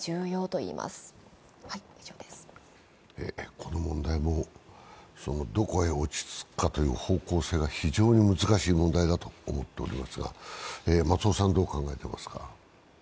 この問題も、どこへ落ち着くかという方向性が非常に難しい問題だと思っておりますがどうお考えになっていますか？